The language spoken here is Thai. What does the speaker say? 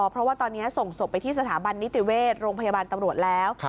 เพราะว่าตอนนี้ส่งศพไปที่สถาบันนิติเวชโรงพยาบาลตำรวจแล้ว